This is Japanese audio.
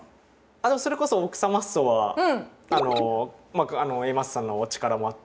それこそ「奥様ッソ！」はＡマッソさんのお力もあって。